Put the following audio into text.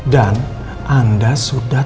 dan anda sudah